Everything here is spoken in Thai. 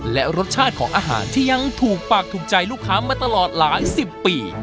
และรสชาติของอาหารที่ยังถูกปากถูกใจลูกค้ามาตลอดหลายสิบปี